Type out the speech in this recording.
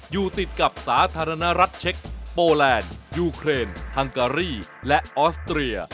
อยู่ติดกับสาธารณรัฐเช็คโปแลนด์ยูเครนฮังการีและออสเตรีย